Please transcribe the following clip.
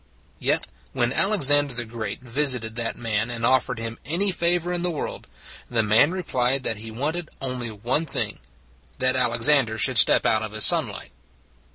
Yet, when Alexander the Great visited that man and offered him any favor in the world, the man replied that he wanted only one thing that Alexander should step out of his sunlight.